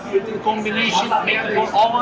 dengan kombinasi membuatnya untuk oven